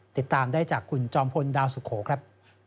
ติดตามได้จากคุณจอมพลดาวสุโขครับ